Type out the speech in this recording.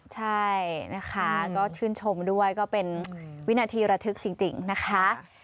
ใช่นะคะก็ชื่นชมด้วยก็เป็นวินาทีระทึกจริงนะคะ